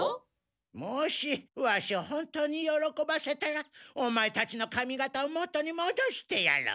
もしワシを本当によろこばせたらオマエたちの髪型を元にもどしてやろう。